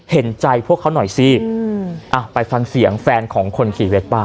เห็นใจพวกเขาหน่อยสิอืมอ่ะไปฟังเสียงแฟนของคนขี่เว็บบ้าง